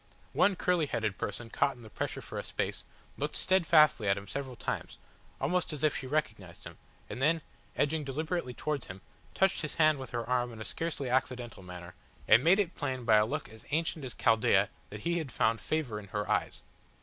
One curly headed person caught in the pressure for a space, looked steadfastly at him several times, almost as if she recognised him, and then, edging deliberately towards him, touched his hand with her arm in a scarcely accidental manner, and made it plain by a look as ancient as Chaldea that he had found favour in her eyes.